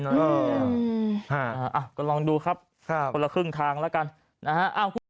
อืมอ่าก็ลองดูครับครับคนละครึ่งทางแล้วกันนะฮะ